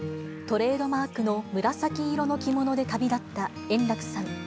トレードマークの紫色の着物で旅立った円楽さん。